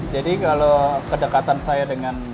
jadi kalau kedekatan saya dengan